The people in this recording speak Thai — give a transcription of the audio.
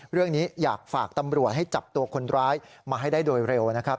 เรื่องนี้อยากฝากตำรวจให้จับตัวคนร้ายมาให้ได้โดยเร็วนะครับ